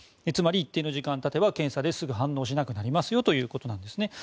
つまり、一定の時間が経てば検査ですぐ反応しなくなりますよということです。